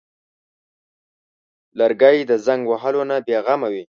لرګی د زنګ وهلو نه بېغمه وي.